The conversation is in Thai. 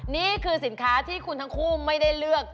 นี่คือสินค้าที่คุณทั้งคู่ไม่ได้เลือก